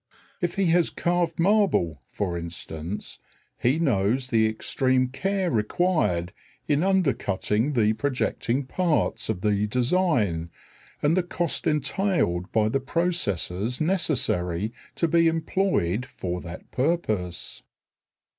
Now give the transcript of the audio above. If he has carved marble, for instance, he knows the extreme care required in under cutting the projecting parts of the design, and the cost entailed by the processes necessary to be employed for that purpose.